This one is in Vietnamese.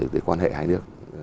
từ quan hệ hai nước